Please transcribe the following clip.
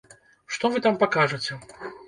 Што вы там пакажаце?